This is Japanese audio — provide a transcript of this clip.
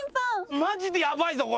マジでヤバいぞこれ。